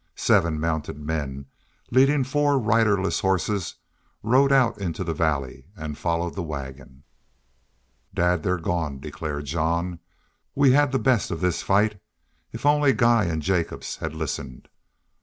Seven mounted men, leading four riderless horses, rode out into the valley and followed the wagon. "Dad, they've gone," declared Jean. "We had the best of this fight.... If only Guy an' Jacobs had listened!"